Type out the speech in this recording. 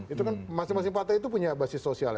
itu kan masing masing partai itu punya basis sosial ya